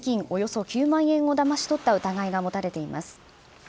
およそ９万円をだまし取った疑いが持たれています。